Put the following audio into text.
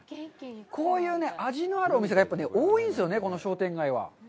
こういう味のあるお店がやっぱり多いんですよね、この商店街は。